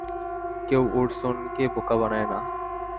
কেউ ওরসনকে বোকা বানায় না!